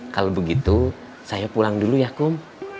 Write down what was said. kalau begitu saya pulang dulu ya kum